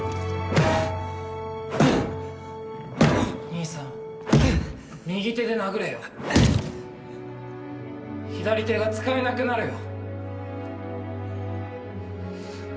兄さん右手で殴れよ左手が使えなくなるよ？